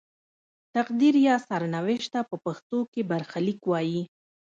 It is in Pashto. تقدیر یا سرنوشت ته په پښتو کې برخلیک وايي.